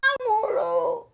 kau datang datang mulu